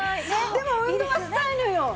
でも運動はしたいのよ。